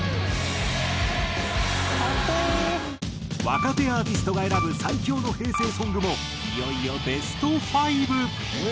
若手アーティストが選ぶ最強の平成ソングもいよいよベスト５。